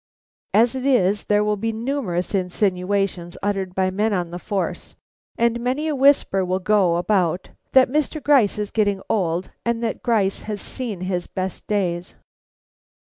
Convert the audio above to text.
As it is, there will be numerous insinuations uttered by men on the force, and many a whisper will go about that Gryce is getting old, that Gryce has seen his best days."